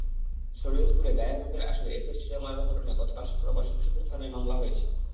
শরীয়তপুরে গায়েহলুদের আসরে অ্যাসিড ছুড়ে মারার ঘটনায় গতকাল শুক্রবার সখীপুর থানায় মামলা হয়েছে।